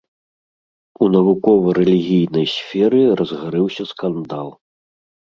У навукова-рэлігійнай сферы разгарэўся скандал.